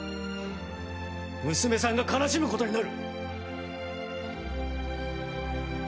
娘さんが悲しむことになる！